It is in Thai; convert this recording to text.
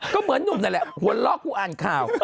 ก็เหมือนหนุ่มนั่นแหละพูดล่ะอ่านข่าว